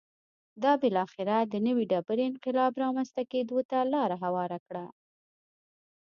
دا بالاخره د نوې ډبرې انقلاب رامنځته کېدو ته لار هواره کړه